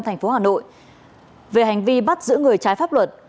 tp hà nội về hành vi bắt giữ người trái pháp luật